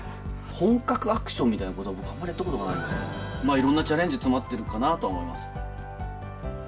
本格アクションみたいなことは、僕はあんまりやったことがないので、いろんなチャレンジが詰まってるかなと思います。